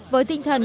với tinh thần